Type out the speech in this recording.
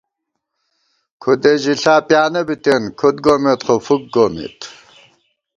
کھُدے ژِلا پیانہ بِتېن، کھُد گومېت خو فُک گومېت